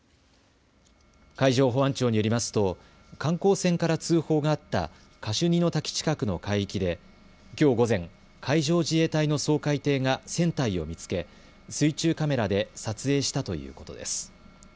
海上保安庁によりますと観光船から通報があったカシュニの滝近くの海域できょう午前、海上自衛隊の掃海艇が船体を見つけ水中カメラで撮影したということです。